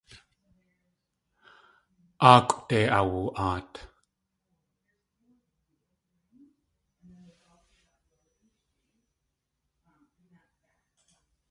Áakʼwde aawa.aat.